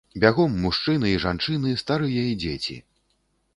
Бягом мужчыны і жанчыны, старыя і дзеці.